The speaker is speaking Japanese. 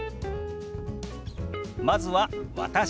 まずは「私」。